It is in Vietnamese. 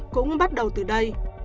cũng bắt đầu từ đây